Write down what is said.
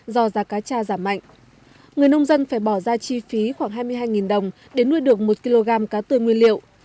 do giá cá cha giảm mạnh người nông dân phải bỏ ra chi phí khoảng hai mươi hai đồng để nuôi được một kg cá tươi nguyên liệu